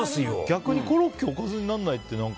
逆にコロッケがおかずにならないって。